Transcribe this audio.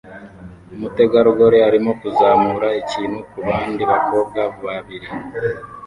Umutegarugori arimo kuzamura ikintu kubandi bakobwa babiri